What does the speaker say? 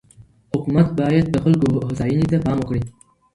حکومت باید د خلګو هوساینې ته پام وکړي.